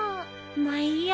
まあいいや。